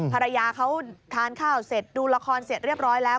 ภรรยาเขาทานข้าวเสร็จดูละครเสร็จเรียบร้อยแล้ว